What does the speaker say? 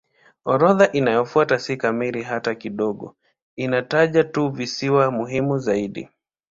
Orodha inayofuata si kamili hata kidogo; inataja tu visiwa muhimu zaidi.